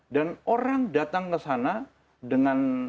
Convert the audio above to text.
dan orang datang ke sana dengan